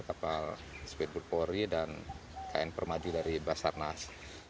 kapal speedboat polri dan kn permaju dari basarnas